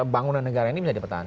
bangunan negara ini bisa dipertahankan